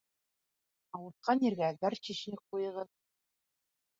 Ауыртҡан ергә горчичник ҡуйығыҙ.